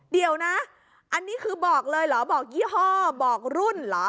เดี๋ยวนะอันนี้คือบอกเลยเหรอบอกยี่ห้อบอกรุ่นเหรอ